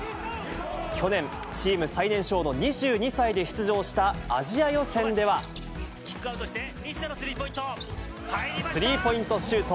去年、チーム最年少の２２歳で出キックアウトして、西田のススリーポイントシュート。